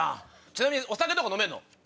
ちなみにお酒とか飲めるの？